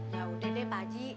yaudah deh pa haji